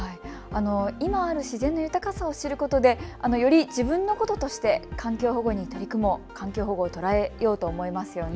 今ある自然の豊かさを知ることでより自分のこととして産業保護に取り組もう、環境保護を捉えようと思いますよね。